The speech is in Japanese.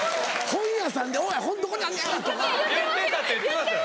本屋さんで「おい！本どこにあんのや！」とか。言ってたって言ってますよ。